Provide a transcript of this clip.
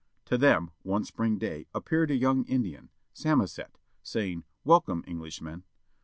To them, one spring day, appeared a yoimg Indian, Samoset, saying "Welcome Englishmen."